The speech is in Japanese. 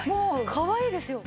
かわいいですよ。